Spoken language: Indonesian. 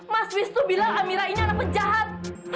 mas wisnu bilang amira ini anak penjahat